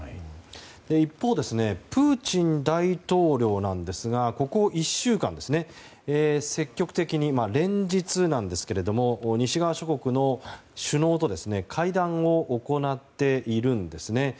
一方、プーチン大統領はここ１週間積極的に、連日なんですが西側諸国の首脳と会談を行っているんですね。